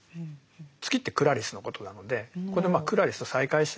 月ってクラリスのことなのでここでクラリスと再会してるんですね。